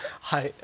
はい。